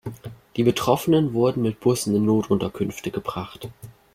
Die Betroffenen wurden mit Bussen in Notunterkünfte gebracht.